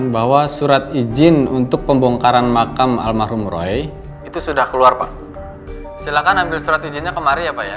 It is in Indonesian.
barang sama keluarga